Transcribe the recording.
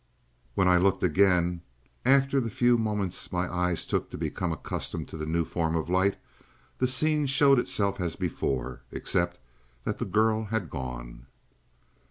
"When I looked again, after the few moments my eye took to become accustomed to the new form of light, the scene showed itself as before, except that the girl had gone.